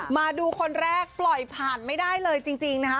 มาดูคนแรกปล่อยผ่านไม่ได้เลยจริงนะคะ